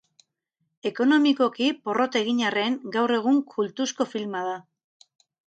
Ekonomikoki porrot egin arren, gaur egun kultuzko filma da.